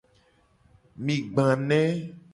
Mi gba ne.